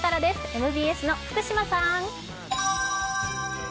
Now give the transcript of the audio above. ＭＢＳの福島さん。